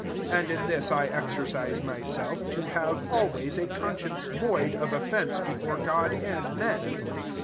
16 And in this I exercise myself to liave always a con science void of offence before Grod and men.